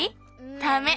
ダメ。